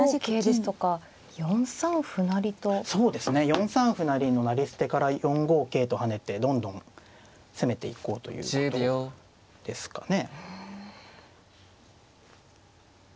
４三歩成の成り捨てから４五桂と跳ねてどんどん攻めていこうということですかね。